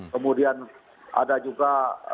kemudian ada juga